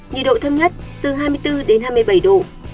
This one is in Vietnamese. nhiệt độ thấp nhất từ hai mươi bốn đến hai mươi bảy độ